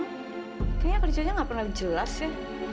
kayaknya kerjanya nggak pernah jelas sih